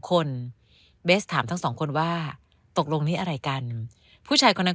คนเบสถามทั้งสองคนว่าตกลงนี้อะไรกันผู้ชายคนนั้น